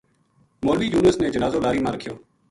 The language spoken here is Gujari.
مولوی یونس نے جنازو لاری ما رکھیو